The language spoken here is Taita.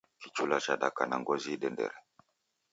Kichula chadaka na ngozi idendere.